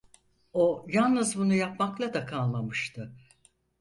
O yalnız bunu yapmakla da kalmamıştı.